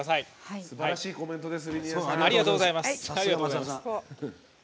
すばらしいコメントです